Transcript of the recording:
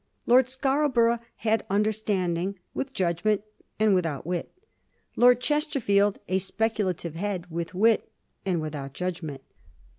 Lord Scarborough had un derstanding, with judgment and without wit; Lord Ches terfield a speculative head, with wit and without judg ment.